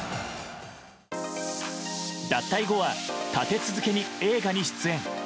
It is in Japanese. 脱退後は立て続けに映画に出演。